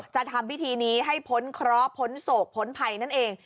จะทำพิธีนี้ให้พ้นเคราะห์พ้นโศกพ้นภัยนั่นเอง